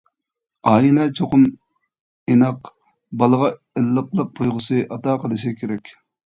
ئائىلە چوقۇم ئىناق، بالىغا ئىللىقلىق تۇيغۇسى ئاتا قىلىش كېرەك.